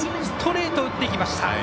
ストレートを打っていきました。